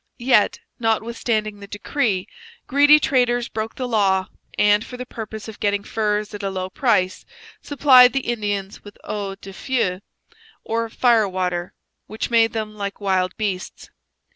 Yet, notwithstanding the decree, greedy traders broke the law and, for the purpose of getting furs at a low price, supplied the Indians with eau de feu, or firewater, which made them like wild beasts.